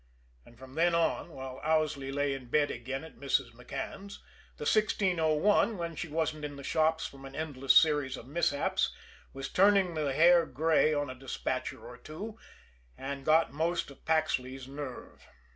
And from then on, while Owsley lay in bed again at Mrs. McCann's, the 1601, when she wasn't in the shops from an endless series of mishaps, was turning the hair gray on a despatcher or two, and had got most of Paxley's nerve.